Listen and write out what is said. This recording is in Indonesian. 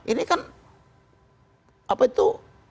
ini kan apa itu